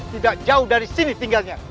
tidak jauh dari sini tinggalnya